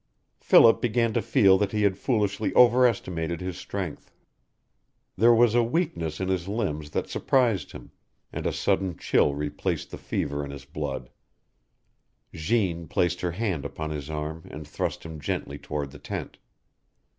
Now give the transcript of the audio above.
Philip began to feel that he had foolishly overestimated his strength. There was a weakness in his limbs that surprised him, and a sudden chill replaced the fever in his blood. Jeanne placed her hand upon his arm and thrust him gently toward the tent.